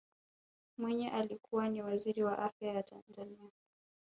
mwinyi alikuwa ni waziri wa afya wa tanzania